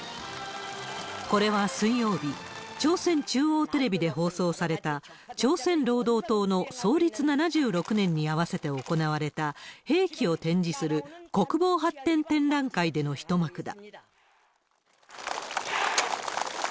これは水曜日、朝鮮中央テレビで放送された、朝鮮労働党の創立７６年に合わせて行われた、兵器を展示する国防発展展覧会での一幕だ。